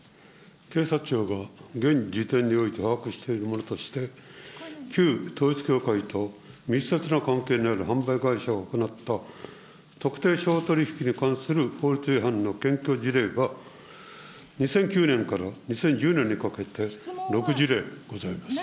警察庁が現時点において把握しているものとして、旧統一教会と密接な関係にある販売会社を行った特定商取引に関する法律違反の検挙事例は、２００９年から２０１０年にかけて６事例ございます。